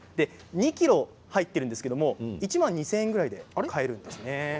２ｋｇ入っているんですけども１万２０００円ぐらいで買えるんですね。